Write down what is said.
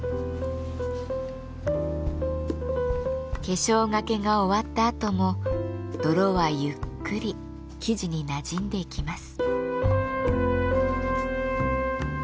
化粧がけが終わったあとも泥はゆっくり素地になじんでいきます。